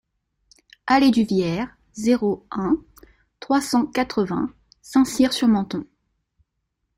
Allée du Vierre, zéro un, trois cent quatre-vingts Saint-Cyr-sur-Menthon